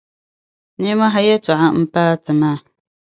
Nimohi Yɛltɔɣa m-paai ti maa.